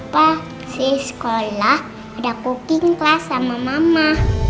pa si sekolah ada cooking class sama mama